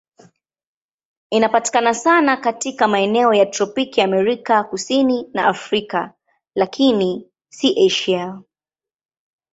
Inapatikana sana katika maeneo ya tropiki Amerika Kusini na Afrika, lakini si Asia.